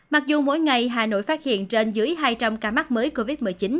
mặc dù mỗi ngày hà nội phát hiện trên dưới hai trăm linh ca mắc mới covid một mươi chín